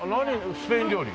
スペイン料理？